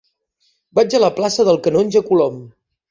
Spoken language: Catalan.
Vaig a la plaça del Canonge Colom.